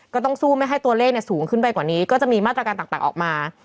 ก็ต้องสู้ไม่ให้ตัวเลขสูงขึ้นไปกว่านี้ก็จะมีมาตรการต่างออกมา